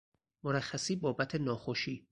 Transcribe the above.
مرخصی بابت ناخوشی